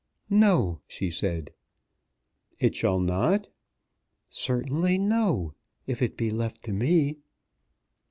"No," she said. "It shall not?" "Certainly, no; if it be left to me."